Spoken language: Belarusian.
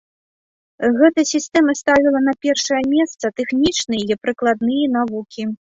Гэта сістэма ставіла на першае месца тэхнічныя і прыкладныя навукі.